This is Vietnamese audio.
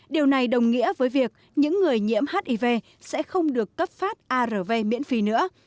điều này đồng nghĩa với việc những người nhiễm hiv sẽ không được cấp phát arv miễn phí nữa